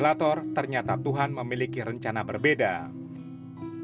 almarhum jane salimar menyebut almarhum jane salimar dengan penyakit bawaan yakni asma